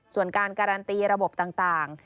ส่วนการการันตีระบบต่าง